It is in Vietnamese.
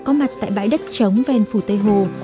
có mặt tại bãi đất trống ven phủ tây hồ